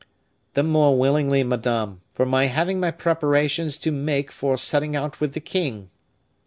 "The more willingly, madame, from my having my preparations to make for setting out with the king."